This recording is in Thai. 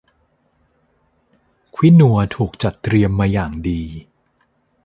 ควินัวถูกจัดเตรียมมาอย่างดี